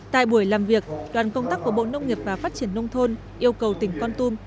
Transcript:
tại buổi làm việc đoàn công tác của bộ nông nghiệp và phát triển nông thôn yêu cầu tỉnh con tum